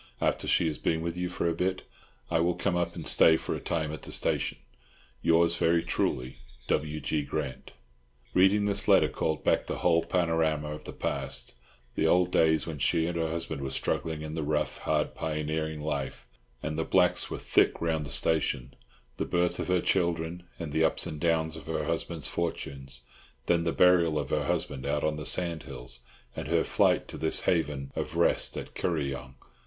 After she has been with you for a bit, I will come up and stay for a time at the station. Yours very truly, W. G. GRANT. Reading this letter called back the whole panorama of the past—the old days when she and her husband were struggling in the rough, hard, pioneering life, and the blacks were thick round the station; the birth of her children, and the ups and downs of her husband's fortunes; then the burial of her husband out on the sandhills, and her flight to this haven of rest at Kuryong.